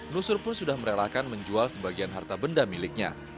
nusur pun sudah merelakan menjual sebagian harta benda miliknya